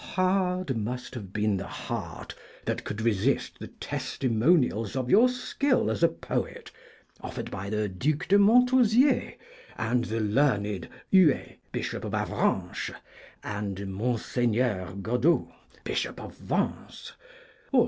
Hard must have been the heart that could resist the testimonials of your skill as a poet offered by the Duc de Montausier, and the learned Huet, Bishop of Avranches, and Monseigneur Godeau, Bishop of Vence, or M.